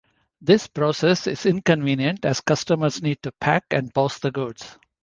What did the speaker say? This process is inconvenient as customers need to pack and post the goods.